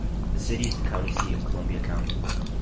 The city is the county seat of Columbia County.